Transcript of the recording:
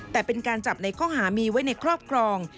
แต่เป็นการจับในข้อหามีไว้ในครอบครอง